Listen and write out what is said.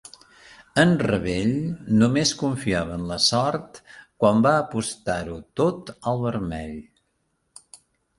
En Revell només confiava en la sort quan va apostar-ho tot al vermell.